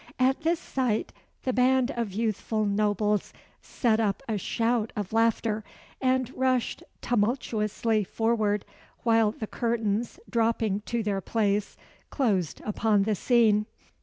At this sight, the band of youthful nobles set up a shout of laughter, and rushed tumultuously forward, while the curtains, dropping to their place, closed upon the scene.